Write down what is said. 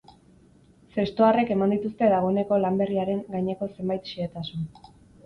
Zestoarrek eman dituzte dagoeneko lan berriaren gaineko zenbait xehetasun.